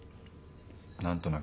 何となく。